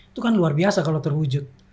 itu kan luar biasa kalau terwujud